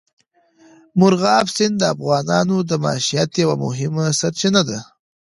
مورغاب سیند د افغانانو د معیشت یوه مهمه سرچینه ده.